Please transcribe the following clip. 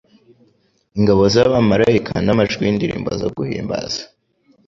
Ingabo z'abamalayika n'amajwi y'indirimbo zo guhimbaza,